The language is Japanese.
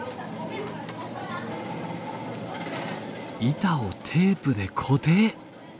板をテープで固定。